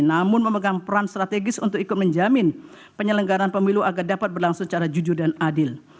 namun memegang peran strategis untuk ikut menjamin penyelenggaran pemilu agar dapat berlangsung secara jujur dan adil